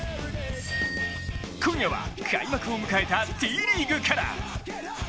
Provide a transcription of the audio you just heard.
今夜は開幕を迎えたＴリーグから。